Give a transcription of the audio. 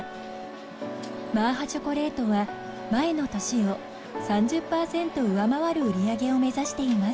マーハチョコレートは前の年を３０パーセント上回る売り上げを目指しています。